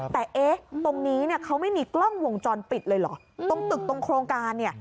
แต่เอ๊ะตรงนี้เนี่ยเขาไม่มีกล้องวงจรปิดเลยเหรอตรงตึกตรงโครงการเนี่ย